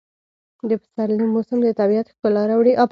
د پسرلي موسم د طبیعت ښکلا راوړي.